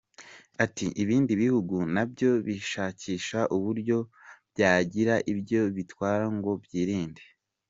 Ati “ibindi biguhu nabyo bishakisha uburyo byagira ibyo bitwaro ngo byirinde”.